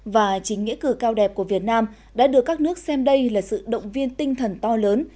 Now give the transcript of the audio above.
và chính nghĩa cử cao đẹp của việt nam đã được các nước xem đây là sự động viên tinh thần to lớn